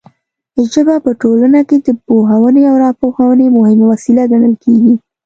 ژبه په ټولنه کې د پوهونې او راپوهونې مهمه وسیله ګڼل کیږي.